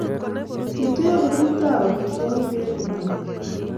Kituyo grupit emg amitwokik ab kipagenge